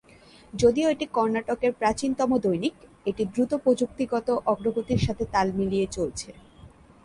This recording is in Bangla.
যদিও এটি কর্ণাটকের প্রাচীনতম দৈনিক, এটি দ্রুত প্রযুক্তিগত অগ্রগতির সাথে তাল মিলিয়ে চলেছে।